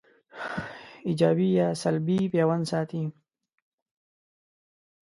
ایجابي یا سلبي پیوند ساتي